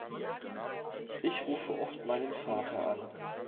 Ich rufe oft meinen Vater an.